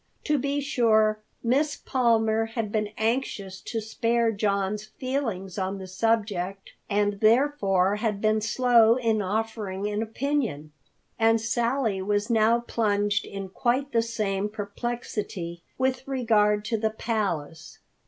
To be sure, Miss Palmer had been anxious to spare John's feelings on the subject, and therefore had been slow in offering an opinion. And Sally was now plunged in quite the same perplexity with regard to the Palace.